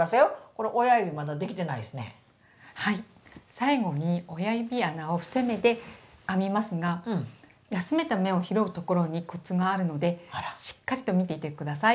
最後に親指穴を伏せ目で編みますが休めた目を拾うところにコツがあるのでしっかりと見ていてください。